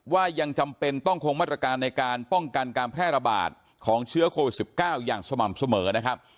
ยังจำเป็นต้องคงมาตรการในการป้องกันการแพร่ระบาดของเชื้อโควิด๑๙อย่างสม่ำเสมอนะครับ